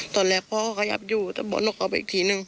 ตอนแรกพ่อขยับอยู่แต่บอลลกออกไปอีกทีนึง